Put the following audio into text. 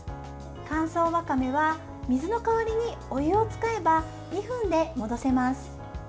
乾燥わかめは水の代わりにお湯を使えば２分で戻せます。